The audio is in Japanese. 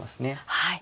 はい。